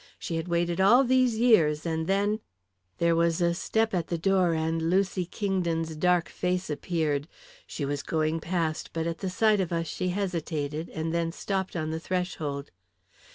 She had waited all these years, and then " There was a step at the door, and Lucy Kingdon's dark face appeared. She was going past, but at the sight of us, she hesitated, and then stopped on the threshold.